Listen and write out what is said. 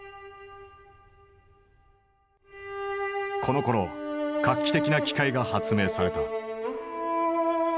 このころ画期的な機械が発明された。